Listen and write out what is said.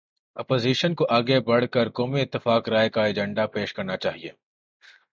Opposition کو آگے بڑھ کر قومی اتفاق رائے کا ایجنڈا پیش کرنا چاہیے۔